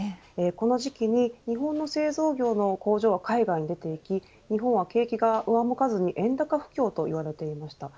この時期に日本の製造業の工場は海外に出ていき日本は景気が上向かずに円高不況と言われていました。